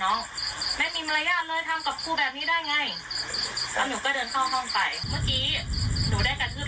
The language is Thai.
หนูก็ถามเหตุผลว่าหนูกระทึบทำไมลูก